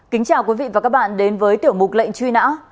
kính chào quý vị và các bạn đến với tiểu mục lệnh truy nã